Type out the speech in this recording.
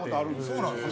・そうなんですか？